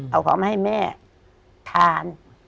เอาของมาให้แม่ทาน